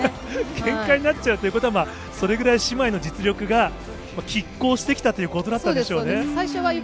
けんかになっちゃうということは、それぐらい姉妹の実力が拮抗してきたということだったんでしょうそうです、そうです。